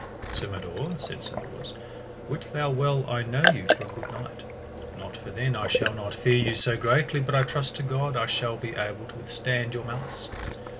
Sir Mador, said Sir Bors, wit thou well I know you for a good knight. Not for then I shall not fear you so greatly, but I trust to God I shall be able to withstand your malice.